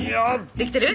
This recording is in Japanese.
できてる？